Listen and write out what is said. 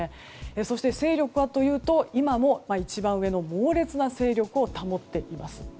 そして、勢力はというと今も一番上の猛烈な勢力を保っています。